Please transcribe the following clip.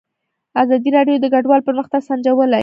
ازادي راډیو د کډوال پرمختګ سنجولی.